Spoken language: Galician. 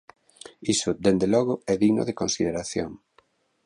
Iso, dende logo, é digno de consideración.